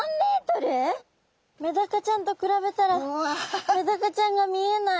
メダカちゃんと比べたらメダカちゃんが見えない。